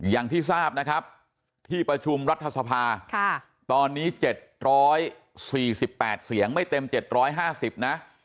อย่างที่ทราบนะครับที่ประชุมรัฐสภาตอนนี้๗๔๘เสียงไม่เต็ม๗๕๐นะ